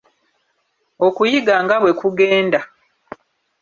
Okuyiga nga bwe kugenda.